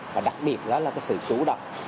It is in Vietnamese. và đặc biệt đó là sự chú đọc